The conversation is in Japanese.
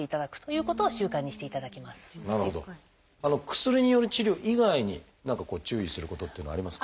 薬による治療以外に何かこう注意することっていうのはありますか？